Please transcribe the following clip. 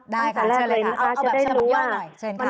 ได้ค่ะใช่เลยค่ะเอาแบบช่างบางอย่างหน่อยเชิญค่ะจะได้รู้ว่า